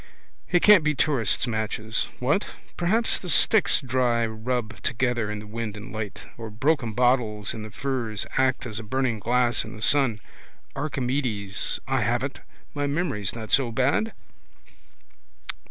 It can't be tourists' matches. What? Perhaps the sticks dry rub together in the wind and light. Or broken bottles in the furze act as a burning glass in the sun. Archimedes. I have it! My memory's not so bad.